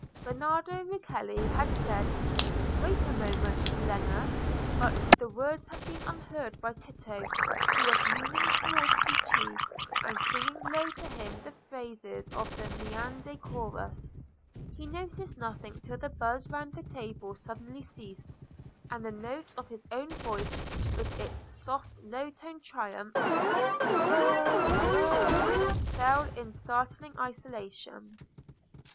Bernardo Rucellai had said, "Wait a moment, Melema;" but the words had been unheard by Tito, who was leaning towards Pucci, and singing low to him the phrases of the Maenad chorus. He noticed nothing until the buzz round the table suddenly ceased, and the notes of his own voice, with its soft low toned triumph, "Evoe, evoe!" fell in startling isolation.